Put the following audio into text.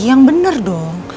yang bener dong